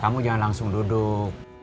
kamu jangan langsung duduk